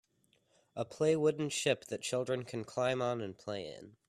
A play wooden ship that children can climb on and play in.